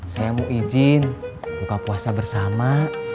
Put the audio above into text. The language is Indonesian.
saya mau izin buka puasa bersama